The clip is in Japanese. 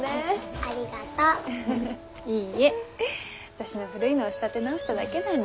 私の古いのを仕立て直しただけだに。